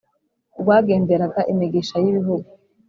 Rwagenderaga imigisha y’ibihugu,